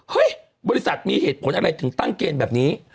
บริษัทมีเหตุผลอะไรถึงตั้งเกณฑ์แบบนี้